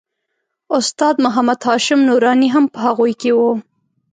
استاد محمد هاشم نوراني هم په هغوی کې و.